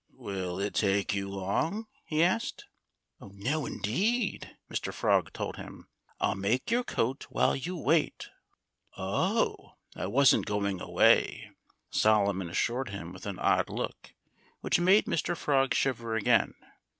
"Will it take you long?" he asked. "No, indeed!" Mr. Frog told him. "I'll make your coat while you wait." "Oh, I wasn't going away," Solomon assured him with an odd look which made Mr. Frog shiver again.